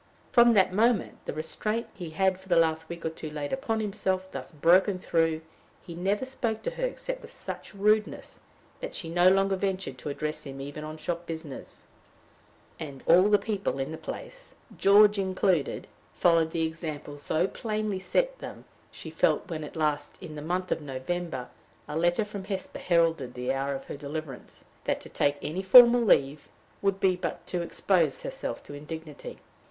From that moment, the restraint he had for the last week or two laid upon himself thus broken through, he never spoke to her except with such rudeness that she no longer ventured to address him even on shop business; and all the people in the place, George included, following the example so plainly set them, she felt, when, at last, in the month of November, a letter from Hesper heralded the hour of her deliverance, that to take any formal leave would be but to expose herself to indignity.